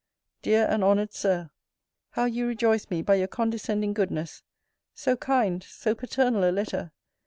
DEAR AND HONOURED SIR, How you rejoice me by your condescending goodness! So kind, so paternal a letter!